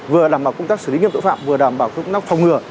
vừa đảm bảo công tác xử lý nghiêm tội phạm vừa đảm bảo công tác phòng ngừa